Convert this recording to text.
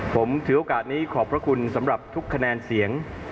ผมถือโอกาสนี้ขอบพระคุณสำหรับทุกคะแนนเสียง